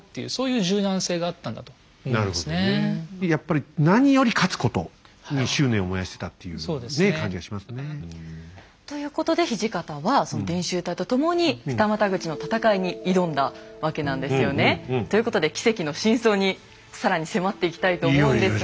やっぱり何より勝つことに執念を燃やしてたっていう感じがしますね。ということで土方はその伝習隊と共に二股口の戦いに挑んだわけなんですよね。ということで奇跡の真相に更に迫っていきたいと思うんですが。